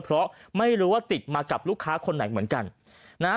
เพราะไม่รู้ว่าติดมากับลูกค้าคนไหนเหมือนกันนะฮะ